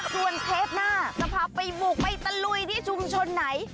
ส่วนเทปหน้าจะพาไปบุกไปตะลุยที่ชุมชนไหน